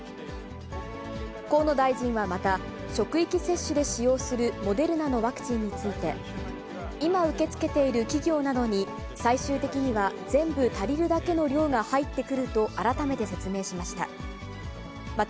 河野大臣はまた、職域接種で使用するモデルナのワクチンについて、今、受け付けている企業などに、最終的には全部足りるだけの量が入ってくると改めて説明しました。